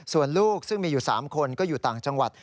ส่วนลูกซึ่งมีอยู่๓คนก็อยู่ต่างจังหวัด